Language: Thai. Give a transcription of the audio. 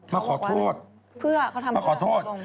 มาขอโทษมาขอโทษ